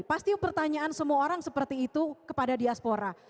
pasti pertanyaan semua orang seperti itu kepada diaspora